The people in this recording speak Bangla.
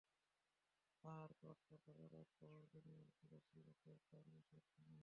আর তথাকার এক প্রহর দুনিয়ার তিরাশি বছর চার মাসের সমান।